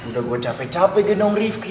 udah gua capek capek gitu dong rifki